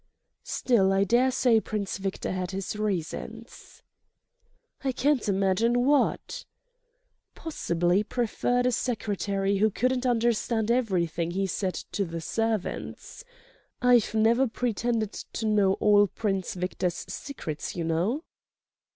"Still, I daresay Prince Victor had his reasons." "I can't imagine what ..." "Possibly preferred a secretary who couldn't understand everything he said to the servants. I've never pretended to know all Prince Victor's secrets, you know."